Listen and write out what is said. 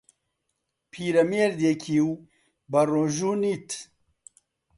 پیرەمێردێکی و بەڕۆژوو نیت